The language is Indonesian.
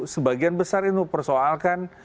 sebagian besar itu persoalkan